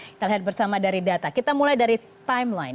kita lihat bersama dari data kita mulai dari timeline